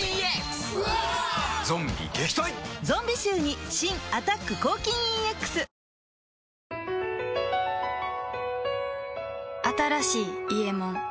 ゾンビ臭に新「アタック抗菌ＥＸ」新しい「伊右衛門」